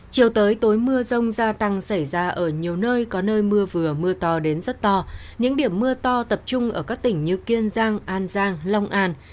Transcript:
chiều tối tối mưa rông gia tăng xảy ra ở nhiều nơi có nơi mưa vừa mưa to đến rất to những điểm mưa to tập trung ở các tỉnh như kiên giang an giang long an